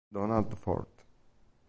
Donald Ford